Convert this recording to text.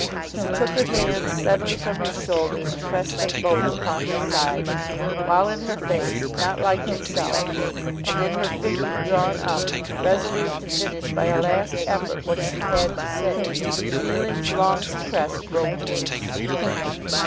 She took her hands suddenly from his shoulders, and pressed them both upon her side; while in her face, not like itself—and in her figure, drawn up, resolute to finish by a last effort what she had to say—the feelings long suppressed broke loose.